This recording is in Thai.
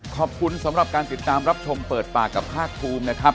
ขอบคุณสำหรับการติดตามรับชมเปิดปากกับภาคภูมินะครับ